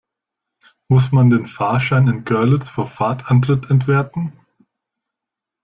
Muss man den Fahrschein in Görlitz vor Fahrtantritt entwerten?